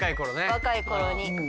若い頃に。